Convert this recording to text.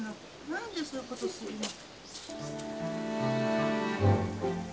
何でそういうことするの。